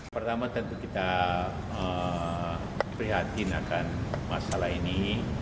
pertama tentu kita prihatin akan masalah ini